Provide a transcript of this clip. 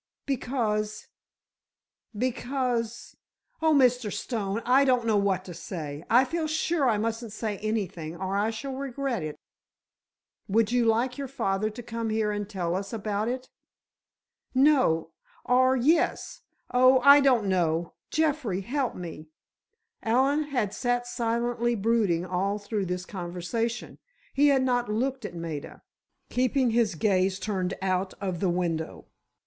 "Because—because—oh, Mr. Stone, I don't know what to say! I feel sure I mustn't say anything, or I shall regret it." "Would you like your father to come here and tell us about it?" "No;—or, yes. Oh, I don't know. Jeffrey, help me!" Allen had sat silently brooding all through this conversation. He had not looked at Maida, keeping his gaze turned out of the window.